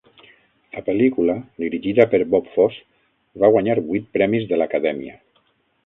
La pel·lícula, dirigida per Bob Fosse, va guanyar vuit premis de l'Acadèmia.